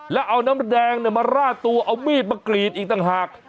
แล้วเอาน้ำแดงมาราดตัวเอามีดมากรีดอีกต่างหาก